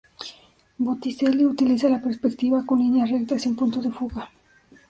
Botticelli utiliza la perspectiva con líneas rectas y un punto de fuga.